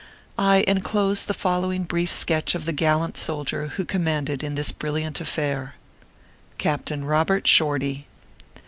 I inclose the following brief sketch of the gallant soldier who commanded in this brilliant affair. CAPTAIN ROBERT SHORTY.